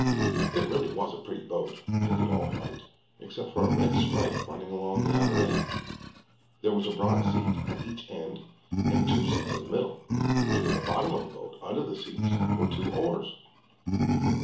It really was a pretty boat, painted all white, except for a red stripe running along the outer edge. There was a broad seat at each end and two seats in the middle, and in the bottom of the boat, under the seats, were two oars.